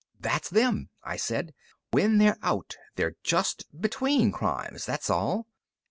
"That's them," I said. "When they're out, they're just between crimes, that's all.